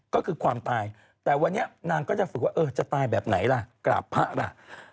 ก็คือความตายแต่วันนี้นางก็จะฝึกว่าเออจะตายแบบไหนล่ะกราบพระล่ะ